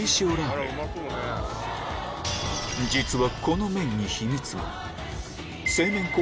実は